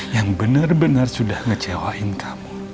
yang bener bener sudah ngecewain kamu